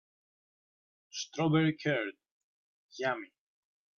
Strawberry curd, yummy!